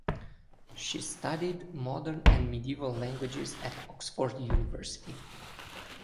She studied Modern and Medieval Languages at Oxford University.